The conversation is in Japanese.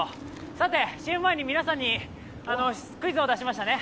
さて、ＣＭ前に皆さんにクイズを出しましたね。